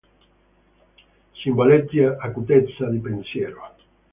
Simboleggia "acutezza di pensiero".